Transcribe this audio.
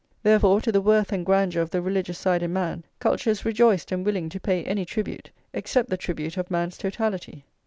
Therefore to the worth and grandeur of the religious side in man, culture is rejoiced and willing to pay any tribute, [xlix] except the tribute of man's totality.